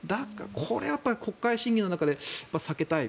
これは国会審議の中で避けたい。